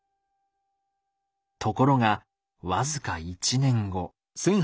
ところが僅か１年後。